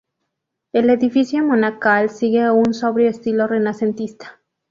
El edificio monacal sigue un sobrio estilo renacentista.